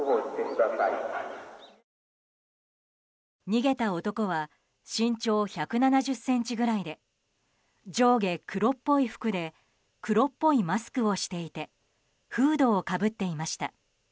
逃げた男は身長１７０ｃｍくらいで上下黒っぽい服で黒っぽいマスクをしていてフードをかぶっていました。